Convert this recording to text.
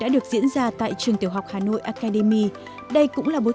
để thấy nó đều cười